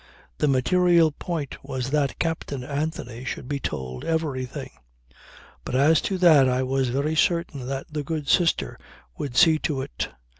The material point was that Captain Anthony should be told everything. But as to that I was very certain that the good sister would see to it.